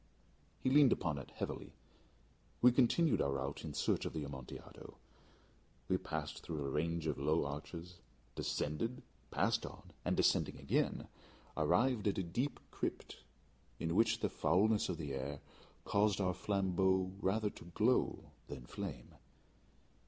He leaned upon it heavily. We continued our route in search of the Amontillado. We passed through a range of low arches, descended, passed on, and descending again, arrived at a deep crypt, in which the foulness of the air caused our flambeaux rather to glow than flame.